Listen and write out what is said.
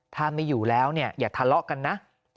ถ้าไม่อยู่แล้วเนี่ยอย่าทะเลาะกันนะ